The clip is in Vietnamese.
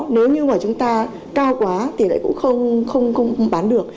nếu như mà chúng ta cao quá thì lại cũng không bán được